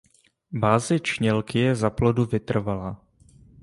Báze čnělky je za plodu vytrvalá.